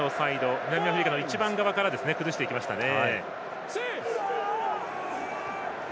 南アフリカの１番側から崩していきましたね。